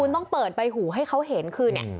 คุณต้องเปิดใบหูให้เขาเห็นคือเนี่ย